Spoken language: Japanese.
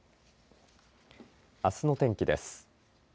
あすの天気です。